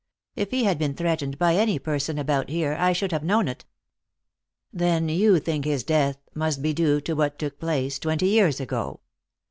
If he had been threatened by any person about here, I should have known of it." "Then you think his death must be due to what took place twenty years ago?"